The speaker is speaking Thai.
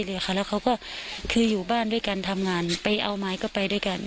แล้วเขาก็คืออยู่บ้านด้วยกันทำงานไปเอาไม้ก็ไปด้วยกัน